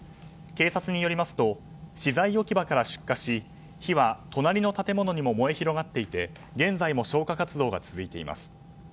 警察によりますと資材置き場から出火し火は隣の建物にも燃え広がっていて現在も消火活動が続いています。